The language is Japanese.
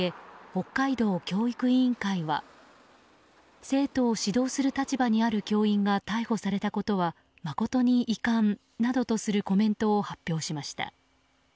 北海道教育委員会は生徒を指導する立場にある教員が逮捕されたことは誠に遺憾などとするコメントを発表しました。